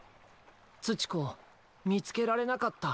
つちこみつけられなかった。